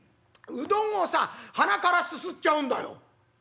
うどんをさ鼻からすすっちゃうんだよ」。